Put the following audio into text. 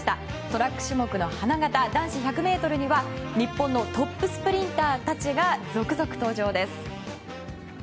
トラック種目の花形男子１００ｍには日本のトップスプリンターたちが続々登場です。